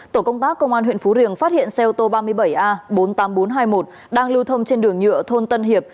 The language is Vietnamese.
tổ công tác công an huyện phú riềng phát hiện xe ô tô ba mươi bảy a bốn mươi tám nghìn bốn trăm hai mươi một đang lưu thông trên đường nhựa thôn tân hiệp